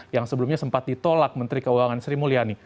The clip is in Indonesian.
yang sebelumnya sempat ditolak menteri keuangan sri mulyani